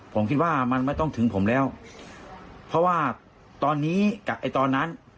ผมคิดว่ามันไม่ต้องถึงผมแล้วเพราะว่าตอนนี้จากไอ้ตอนนั้น